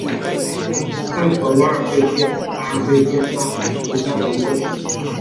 范蠡弯贝介为弯贝介科弯贝介属下的一个种。